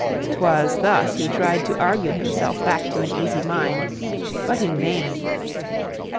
'Twas thus that he tried to argue himself back to an easy mind, but in vain.